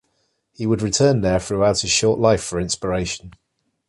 He would return there throughout his short life for inspiration.